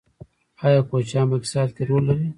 آیا کوچیان په اقتصاد کې رول لري؟